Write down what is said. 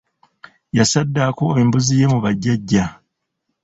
Yasaddako embuzi ye mu ba jjaja.